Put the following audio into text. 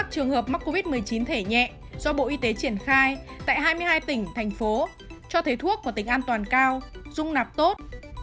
một mươi chín thể nhẹ do bộ y tế triển khai tại hai mươi hai tỉnh thành phố cho thế thuốc của tỉnh an toàn cao dung nạp tốt